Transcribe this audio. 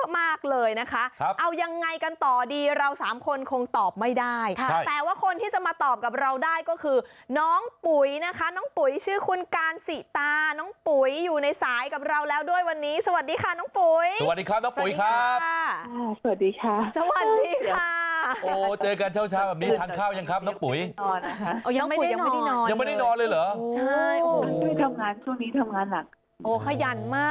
มากเลยนะคะเอายังไงกันต่อดีเราสามคนคงตอบไม่ได้แต่ว่าคนที่จะมาตอบกับเราได้ก็คือน้องปุ๋ยนะคะน้องปุ๋ยชื่อคุณกาลสิตาน้องปุ๋ยอยู่ในสายกับเราแล้วด้วยวันนี้สวัสดีค่ะน้องปุ๋ยสวัสดีค่ะน้องปุ๋ยค่ะสวัสดีค่ะสวัสดีค่ะสวัสดีค่ะโอ้เจอกันเช้าช้าแบบนี้ทานข้าวยังครับน้องปุ๋ยยังไม่ได้นอน